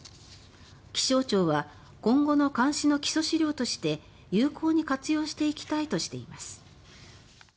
気象庁は今後の監視の基礎資料として有効に活用していきたいとしています。